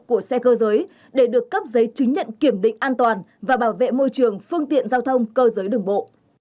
của xe cơ giới để được cấp giấy chứng nhận kiểm định an toàn và bảo vệ môi trường phương tiện giao thông cơ giới đường bộ